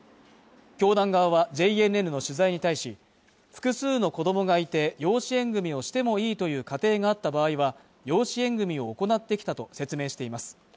教団側はＪＮＮの取材に対し複数の子供がいて養子縁組をしてもいいという家庭があった場合は養子縁組を行ってきたと説明しています